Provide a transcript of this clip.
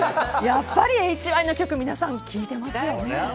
やっぱりＨＹの曲皆さん聴いてますよね。